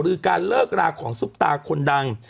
หรือการเลิกราของซุปตาคนดัง